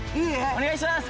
お願いします